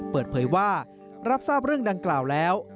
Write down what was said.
เปิดเผยว่ารับทราบเรื่องดังกล่าวแล้ว